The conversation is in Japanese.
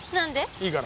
いいから。